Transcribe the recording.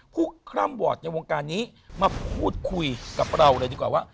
คร่ำวอร์ดในวงการนี้มาพูดคุยกับเราเลยดีกว่าว่า